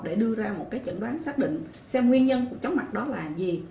để đưa ra một trận đoán xác định xem nguyên nhân của chóng mặt đó là gì